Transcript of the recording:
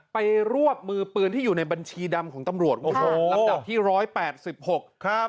ไปรวบมือปืนที่อยู่ในบัญชีดำของตำรวจลำดับที่๑๘๖